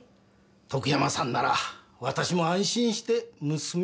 徳山さんなら私も安心して娘を預けられます。